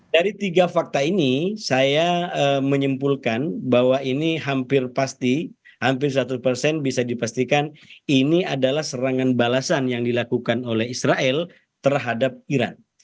dari tiga fakta ini saya menyimpulkan bahwa ini hampir pasti hampir satu persen bisa dipastikan ini adalah serangan balasan yang dilakukan oleh israel terhadap iran